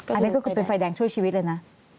อันนี้ก็คือเป็นไฟแดงช่วยชีวิตเลยนะ